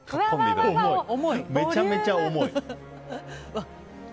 めちゃめちゃ重い！